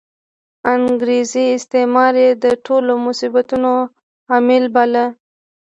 انګریزي استعمار یې د ټولو مصیبتونو عامل باله.